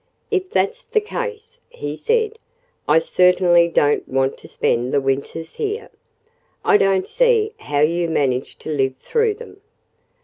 "If that's the case," he said, "I certainly don't want to spend the winters here.... I don't see how you manage to live through them."